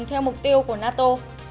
theo mục tiêu của nato